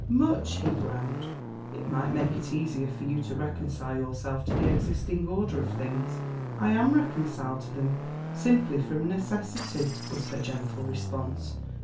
"Much," he growled. "It might make it easier for you to reconcile yourself to the existing order of things." "I am reconciled to them simply from necessity," was her gentle response.